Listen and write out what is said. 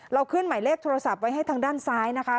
ขึ้นหมายเลขโทรศัพท์ไว้ให้ทางด้านซ้ายนะคะ